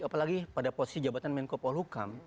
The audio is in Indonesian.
apalagi pada posisi jabatan menko paul hukam